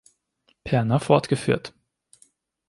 Perner fortgeführt.